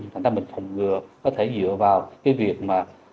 thành ra mình phòng ngừa có thể dựa vào cái việc mà